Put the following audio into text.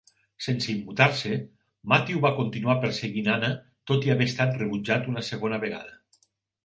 Sense immutar-se, Matthew va continuar perseguint Anna tot i haver estat rebutjat una segona vegada.